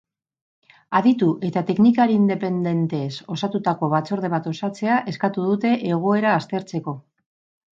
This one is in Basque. Aditu eta teknikari independentez osatutako batzorde bat osatzea eskatu dute, egoera aztertzeko.